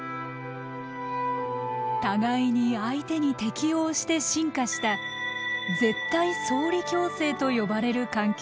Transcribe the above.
互いに相手に適応して進化した絶対相利共生と呼ばれる関係です。